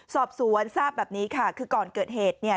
สอบสวนทราบแบบนี้ค่ะคือก่อนเกิดเหตุเนี่ย